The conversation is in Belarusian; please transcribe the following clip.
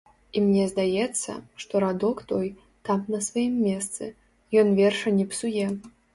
І мне здаецца, што радок той там на сваім месцы, ён верша не псуе.